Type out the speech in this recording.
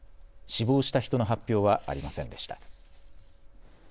死亡した人の発表はありませんでした。